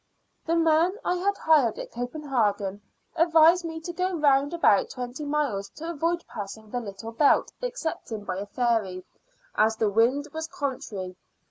The man I had hired at Copenhagen advised me to go round about twenty miles to avoid passing the Little Belt excepting by a ferry, as the wind was contrary.